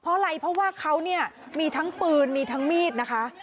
เพราะอะไรเพราะว่าเขาเนี่ยมีทั้งปืนมีทั้งมีดนะคะ